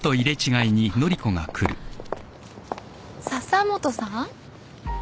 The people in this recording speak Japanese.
笹本さん？